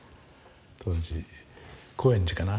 当時高円寺かな。